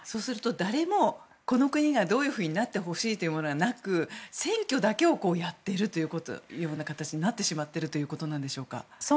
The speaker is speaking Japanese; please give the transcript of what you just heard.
誰もこの国がどうなってほしいというものがなく選挙だけをやっているというような形になってしまっているということなんでしょうか。